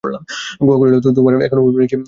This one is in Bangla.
গোরা কহিল, এখন তোমার অভিপ্রায় কী আমাকে খুলো বলো।